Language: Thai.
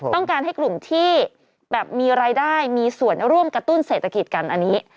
ต้องการให้กลุ่มที่แบบมีรายได้มีส่วนร่วมกระตุ้นเศรษฐกิจกันอันนี้